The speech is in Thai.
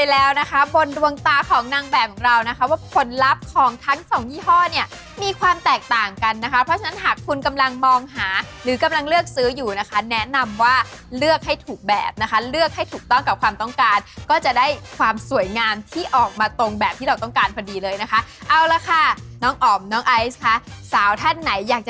แล้วนะคะบนดวงตาของนางแบบของเรานะคะว่าผลลัพธ์ของทั้งสองยี่ห้อเนี่ยมีความแตกต่างกันนะคะเพราะฉะนั้นหากคุณกำลังมองหาหรือกำลังเลือกซื้ออยู่นะคะแนะนำว่าเลือกให้ถูกแบบนะคะเลือกให้ถูกต้องกับความต้องการก็จะได้ความสวยงามที่ออกมาตรงแบบที่เราต้องการพอดีเลยนะคะเอาละค่ะน้องอ๋อมน้องไอซ์ค่ะสาวท่านไหนอยากจะ